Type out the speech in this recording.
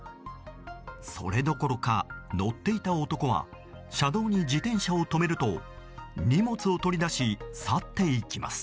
それどころか、乗っていた男は車道に自転車を止めると荷物を取り出し去っていきます。